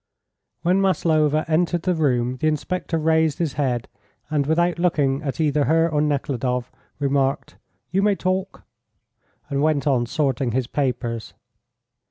When Maslova entered the room the inspector raised his head, and, without looking at either her or Nekhludoff, remarked: "You may talk," and went on sorting his papers.